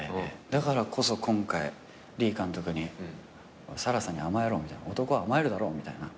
だからこそ今回李監督に「更紗に甘えろ」みたいな。「男は甘えるだろ」みたいな。